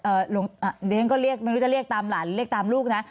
เดี๋ยวฉันก็เรียกไม่รู้จะเรียกตามหลานเรียกตามลูกนะ